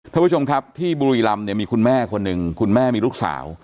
ท่านผู้ชมครับที่บุรีรำเนี่ยมีคุณแม่คนหนึ่งคุณแม่มีลูกสาว